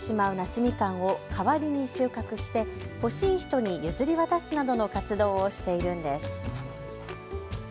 みかんを代わりに収穫して、欲しい人に譲り渡すなどの活動をしているんです。